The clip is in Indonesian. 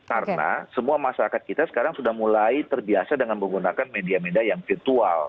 karena semua masyarakat kita sekarang sudah mulai terbiasa dengan menggunakan media media yang virtual